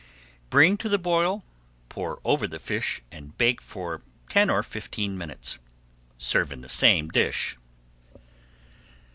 Bring to the boil, pour over the fish and bake for ten or fifteen minutes. Serve in the same dish.